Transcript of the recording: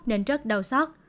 nên rất đau sắc